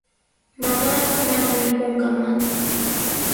Mamaaqa manami qunqamanku.